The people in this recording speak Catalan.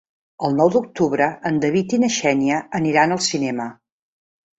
El nou d'octubre en David i na Xènia aniran al cinema.